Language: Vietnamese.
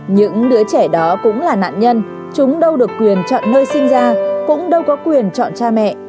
những đứa trẻ đó cũng là nạn nhân chúng đâu được quyền chọn nơi sinh ra cũng đâu có quyền chọn cha mẹ